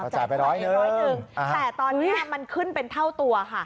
จ่ายไป๑๐๐นึงแถวตอนนี้มันขึ้นเป็นเท่าตัวค่ะ